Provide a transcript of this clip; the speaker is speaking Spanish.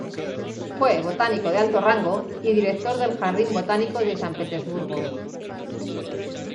Fue "botánico de alto rango" y director del Jardín Botánico de San Petersburgo.